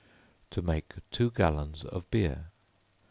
To Make Two Gallons of Beer.